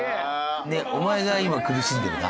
お前が今苦しんでるな。